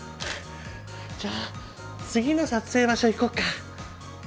じゃあ次の撮影場所行こっか